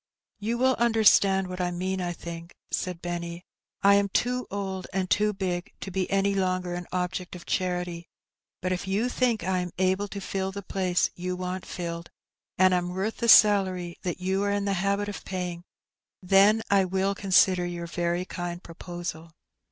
^' You will understand what I mean, I think, said Benny. '' I am too old and too big to be any longer an object of charity, but if you think I am able to fill the place you want filled, and am worth the salary that you are in the habit of paying, then I will consider your very kind proposal."